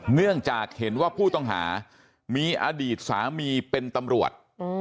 เนื่องจากเห็นว่าผู้ต้องหามีอดีตสามีเป็นตำรวจ